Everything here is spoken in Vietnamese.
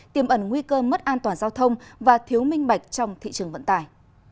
tiềm ẩn nguy cơ mất an toàn giao thông và thiếu minh bạch trong thị trường vận tải